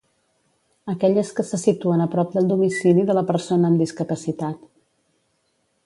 Aquelles que se situen a prop del domicili de la persona amb discapacitat.